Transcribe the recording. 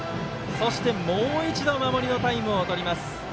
そして、もう一度守りのタイムをとります。